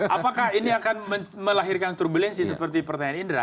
apakah ini akan melahirkan turbulensi seperti pertanyaan indra